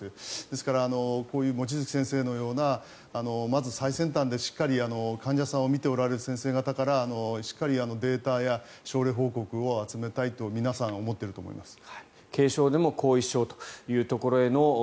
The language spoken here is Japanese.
ですから、こういう望月先生のようなまず最先端でしっかり患者さんを診ておられる先生方からしっかりデータや症例報告を受けたいと皆さん思っていると思います。